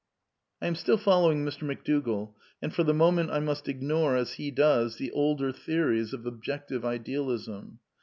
I am still following Mr. McDougall, and for the moment I must ignore, as he does, the older theories of Objective Idealism.